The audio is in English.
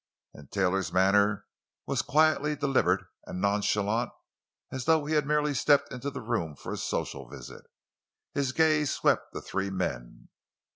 And Taylor's manner was as quietly deliberate and nonchalant as though he had merely stepped into the room for a social visit. His gaze swept the three men.